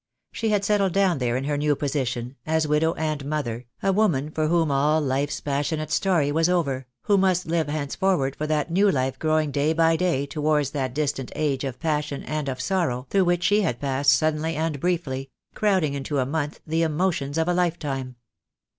She had settled down there in her new position, as widow and mother, a woman for whom all life's passionate story was over, who must live henceforward for that new life grow ing day by day towards that distant age of passion and of sorrow through which she had passed suddenly and briefly, crowding into a month the emotions of a lifetime.